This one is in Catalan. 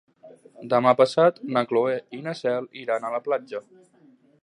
Demà passat na Cloè i na Cel iran a la platja.